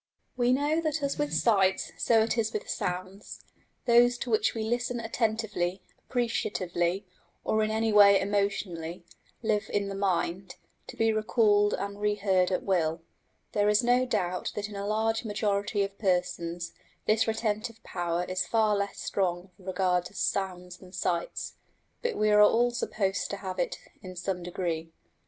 We know that as with sights so it is with sounds: those to which we listen attentively, appreciatively, or in any way emotionally, live in the mind, to be recalled and reheard at will. There is no doubt that in a large majority of persons this retentive power is far less strong with regard to sounds than sights, but we are all supposed to have it in some degree.